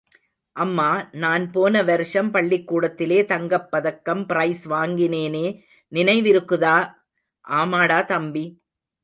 அம்மா, நான் போனவருஷம் பள்ளிக்கூடத்திலே தங்கப் பதக்கம் ப்ரைஸ் வாங்கினேனே, நினைவிருக்குதா? ஆமாடா, தம்பி.